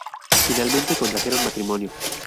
Finalmente contrajeron matrimonio.